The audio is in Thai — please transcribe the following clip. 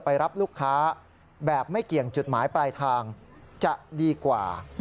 ไปรับลูกค้าแบบไม่เกี่ยงจุดหมายปลายทางจะดีกว่า